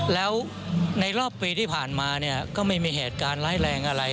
แล้วในรอบปีที่ผ่านมาเนี่ยก็ไม่มีเหตุการณ์ร้ายแรงอะไร